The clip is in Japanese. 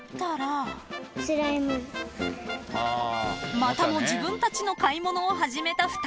［またも自分たちの買い物を始めた２人］